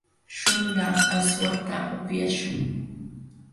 śhuula aswakta upyaśhun.